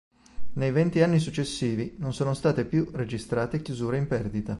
Nei venti anni successivi, non sono state più registrate chiusure in perdita.